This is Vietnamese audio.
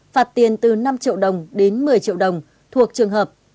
phạt tiền từ năm triệu đồng đến một mươi triệu đồng thuộc trường hợp